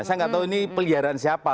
saya nggak tahu ini peliharaan siapa